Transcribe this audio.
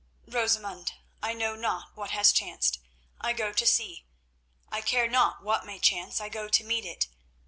"Rosamund, I know not what has chanced; I go to see. I care not what may chance; I go to meet it.